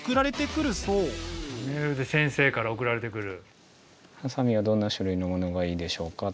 メールで先生から送られてくる。